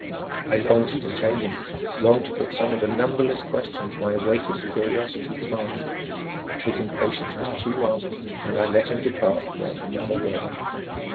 I longed to detain him, longed to put some of the numberless questions my awakened curiosity demanded, but his impatience was too marked and I let him depart without another word.